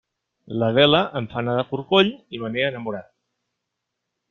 L'Adela em fa anar de corcoll i me n'he enamorat.